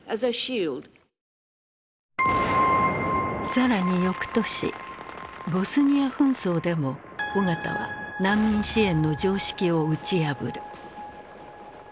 更に翌年ボスニア紛争でも緒方は難民支援の常識を打ち破る。